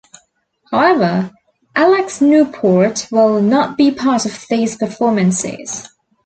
However, Alex Newport will not be part of these performances.